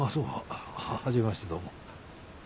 初めましてどうも。